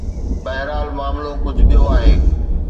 بهرحال معاملو ڪجهه ٻيو آهي.